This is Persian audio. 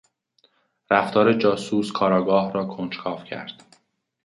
رفتار جاسوس، کارآگاه را کنجکاو کرد.